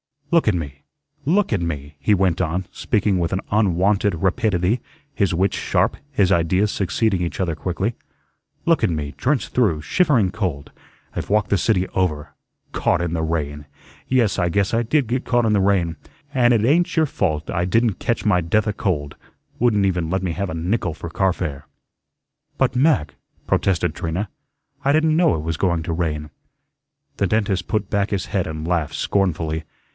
"Look at me. Look at me," he went on, speaking with an unwonted rapidity, his wits sharp, his ideas succeeding each other quickly. "Look at me, drenched through, shivering cold. I've walked the city over. Caught in the rain! Yes, I guess I did get caught in the rain, and it ain't your fault I didn't catch my death a cold; wouldn't even let me have a nickel for car fare." "But, Mac," protested Trina, "I didn't know it was going to rain." The dentist put back his head and laughed scornfully.